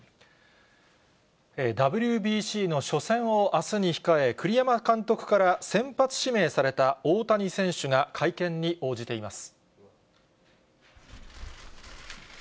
ＷＢＣの初戦をあすに控え、栗山監督から先発指名された大谷選手が会見に応じています。